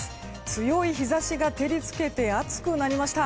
強い日差しが照りつけて暑くなりました。